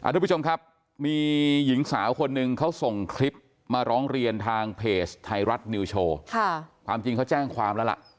ทุกผู้ชมครับมีหญิงสาวคนหนึ่งเขาส่งคลิปมาร้องเรียนทางเพจไทยรัฐนิวโชว์ความจริงเขาแจ้งความแล้วล่ะ